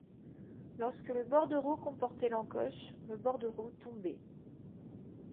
Lorsque le bordereau comportait l’encoche, le bordereau tombait.